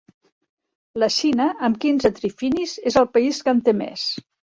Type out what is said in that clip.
La Xina, amb quinze trifinis és el país que en té més.